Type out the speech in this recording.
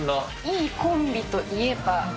いいコンビといえば。